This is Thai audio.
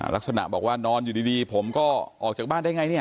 ลักษณะบอกว่านอนอยู่ดีผมก็ออกจากบ้านได้ไงเนี่ย